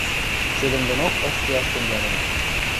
Седӹндонок ыш кеӓш тӹнгӓлӹн.